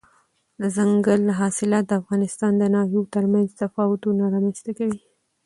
دځنګل حاصلات د افغانستان د ناحیو ترمنځ تفاوتونه رامنځته کوي.